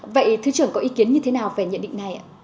vậy thứ trưởng có ý kiến như thế nào về nhận định này ạ